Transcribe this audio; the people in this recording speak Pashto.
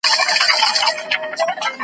د جومات سړی په جومات کي لټوه .